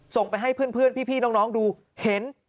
ส่งไปให้เพื่อนพี่น้องดูเห็น